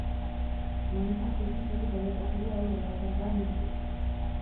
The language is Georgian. დმანისის დროშის ველი გადაკვეთილია ორ არათანაბარ ნაწილად.